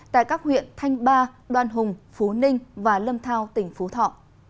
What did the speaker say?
tại các huyện thanh ba đoan hùng phú ninh và lâm thao tỉnh phú thọ